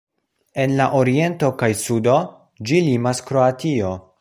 En la oriento kaj sudo ĝi limas Kroatio.